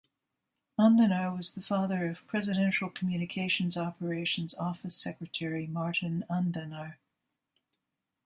Andanar was the father of Presidential Communications Operations Office Secretary Martin Andanar.